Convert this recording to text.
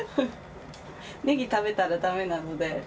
ねぎ食べたらだめなので。